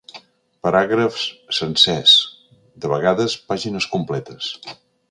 Paràgrafs sencers, de vegades pàgines completes.